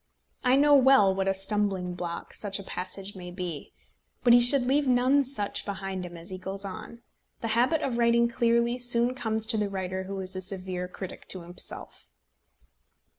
I know well what a stumbling block such a passage may be. But he should leave none such behind him as he goes on. The habit of writing clearly soon comes to the writer who is a severe critic to himself.